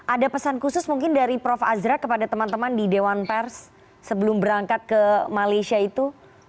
ada pesan khusus mungkin dari prof azra kepada teman teman di dewan pers sebelum berangkat ke malaysia itu